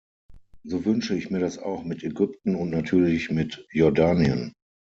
So wünsche ich mir das auch mit Ägypten und natürlich mit Jordanien.